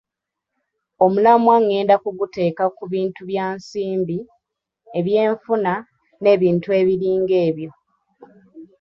Omulamwa ng'enda kuguteeka ku bintu bya nsimbi, ebyenfuna n'ebintu ebiringa ebyo.